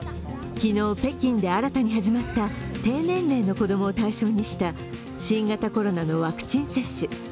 昨日、北京で新たに始まった低年齢の子供を対象にした新型コロナのワクチン接種。